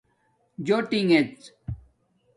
جٹیݣہ